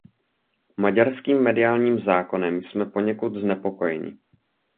Maďarským mediálním zákonem jsme poněkud znepokojeni.